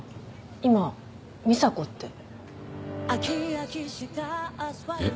今「美沙子」って。えっ？